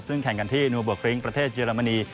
ซึ่งแข่งกันที่นัวกริ้งประเทศเยอรมนี